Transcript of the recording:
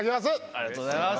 ありがとうございます。